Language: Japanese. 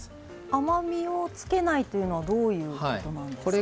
甘みをつけないというのはどういうことなんですか？